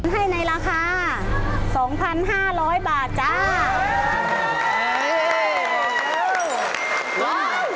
ให้ในราคา๒๕๐๐บาทจ้า